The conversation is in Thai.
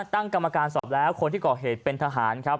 ตั้งกรรมการสอบแล้วคนที่ก่อเหตุเป็นทหารครับ